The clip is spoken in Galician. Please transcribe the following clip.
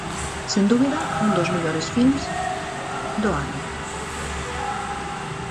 Sen dúbida, un dos mellores filmes do ano.